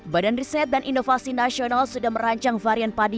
badan riset dan inovasi nasional sudah merancang varian padi